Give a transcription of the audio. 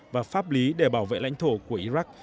và pháp lý để bảo vệ lãnh thổ của iraq